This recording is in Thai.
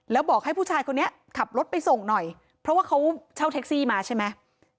แล้วบอกให้ผู้ชายคนนี้ขับรถไปส่งหน่อยเพราะว่าเขาเช่าแท็กซี่มาใช่ไหม